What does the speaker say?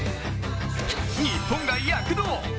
日本が躍動！